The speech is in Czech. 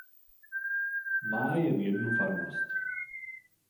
Má jen jednu farnost.